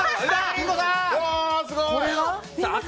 リンゴさんだ！